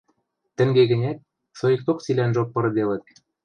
Тӹнге гӹнят, соикток цилӓнжок пырыделыт.